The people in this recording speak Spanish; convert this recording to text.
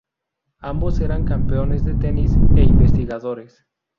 Ambos eran campeones de tenis e investigadores.